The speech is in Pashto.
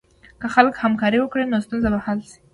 که خلک همکاري وکړي، نو ستونزه به حل شي.